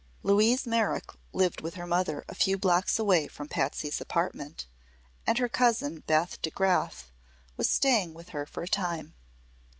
Louise Merrick lived with her mother a few blocks away from Patsy's apartment, and her cousin Beth DeGraf was staying with her for a time.